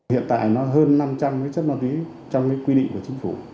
hiện tại nó hơn năm trăm linh cái chất ma túy trong cái quy định của chính phủ